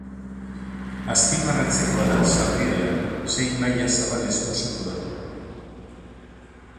Azpimarratzekoa da sarbidea, sei maila zabalez osatua.